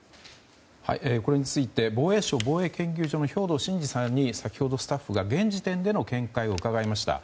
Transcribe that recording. これについて防衛省防衛研究所の兵頭慎治さんに先ほどスタッフが現時点での見解を伺いました。